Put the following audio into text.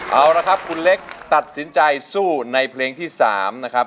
เอาละครับคุณเล็กตัดสินใจสู้ในเพลงที่๓นะครับ